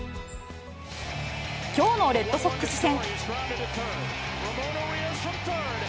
きょうのレッドソックス戦。